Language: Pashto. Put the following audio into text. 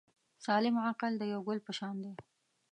سالم عقل د یو ګل په شان دی.